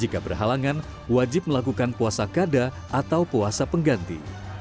jika berhalangan wajib melakukan puasa kada atau puasa pengganti